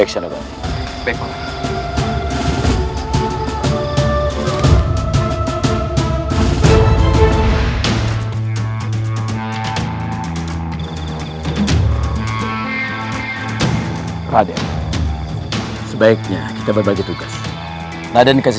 sandika agustin ratu